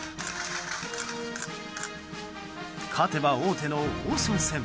勝てば王手の王将戦。